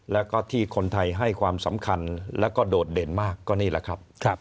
แล้วก็ที่คนไทยให้ความสำคัญแล้วก็โดดเด่นมากก็นี่แหละครับ